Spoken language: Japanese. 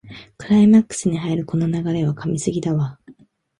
クライマックスに入るこの流れは神すぎだわ